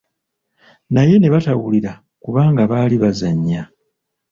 Naye ne batawulira kubanga baali bazannya.